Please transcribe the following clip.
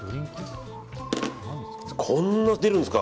こんなに出るんですか。